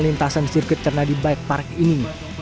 lintasan sirkuit cerna di bike park ini